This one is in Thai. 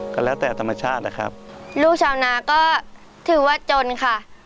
ก็แล้วแต่ธรรมชาตินะครับลูกชาวนาก็ถือว่าจนค่ะ